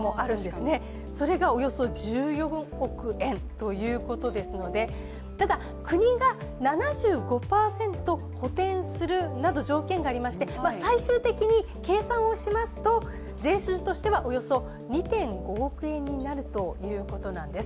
というのもただ、国が７５％補填するなど条件がありまして条件がありまして、最終的に計算をしますと、税収としてはおよそ２．５億円になるということなんです。